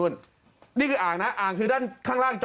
นี่คืออ่างนะอ่างคือด้านข้างล่างจอ